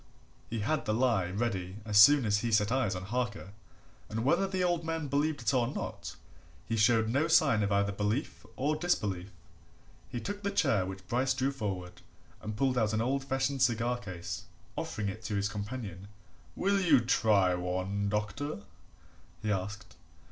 He had the lie ready as soon as he set eyes on Harker, and whether the old man believed it or not, he showed no sign of either belief or disbelief. He took the chair which Bryce drew forward and pulled out an old fashioned cigar case, offering it to his companion. "Will you try one, doctor?" he asked.